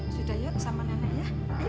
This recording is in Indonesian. sudah yuk sama nenek ya